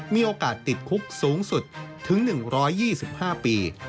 มีโอกาสติดคุกสูงสุดถึง๑๒๕ปี